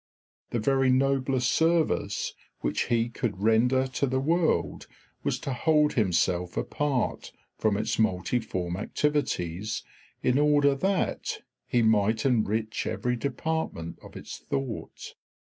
The very noblest service which he could render to the world was to hold himself apart from its multiform activities in order that he might enrich every department of its thought.